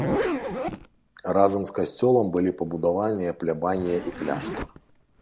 Разам з касцёлам былі пабудаваныя плябанія і кляштар.